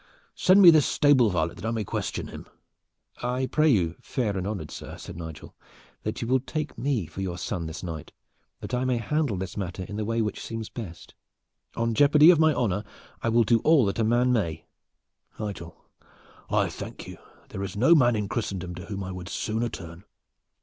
Send me this stable varlet that I may question him." "I pray you, fair and honored sir," said Nigel, "that you will take me for your son this night, that I may handle this matter in the way which seems best. On jeopardy of my honor I will do all that a man may." "Nigel, I thank you. There is no man in Christendom to whom I would sooner turn."